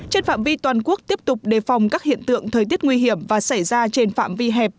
trên phạm vi toàn quốc tiếp tục đề phòng các hiện tượng thời tiết nguy hiểm và xảy ra trên phạm vi hẹp